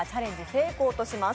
成功とします。